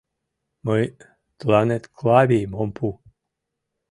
Мый тыланет Клавийым ом пу!